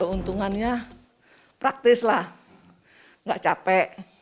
keuntungannya praktis lah nggak capek